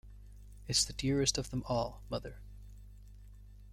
It's the dearest of them all, Mother.